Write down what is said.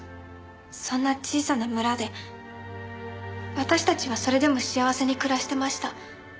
そんな小さな村で私たちはそれでも幸せに暮らしてました。